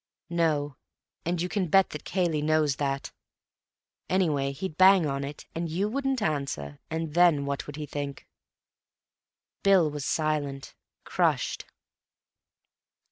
"No. And you can bet that Cayley knows that. Anyway, he'd bang on it, and you wouldn't answer, and then what would he think?" Bill was silent; crushed.